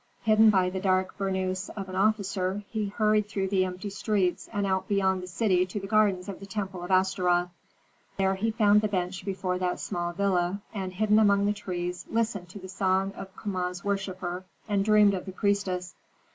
Hidden by the dark burnous of an officer, he hurried through the empty streets and out beyond the city to the gardens of the temple of Astaroth. There he found the bench before that small villa, and, hidden among the trees, listened to the song of Kama's worshipper, and dreamed of the priestess.